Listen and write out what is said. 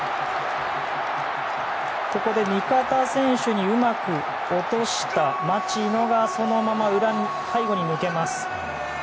ここで味方選手にうまく落とした町野がそのまま背後に抜けます。